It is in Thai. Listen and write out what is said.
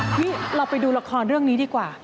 พี่เราไปดูละครเรื่องนี้ดีกว่า